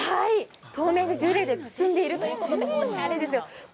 透明のジュレで包んでいるということでおしゃれですよ。